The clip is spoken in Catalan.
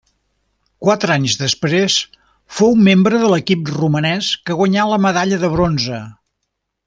Quatre anys després, fou membre de l'equip romanès que guanyà la medalla de bronze.